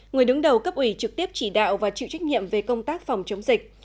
người đứng đầu cấp ủy trực tiếp chỉ đạo và chịu trách nhiệm về công tác phòng chống dịch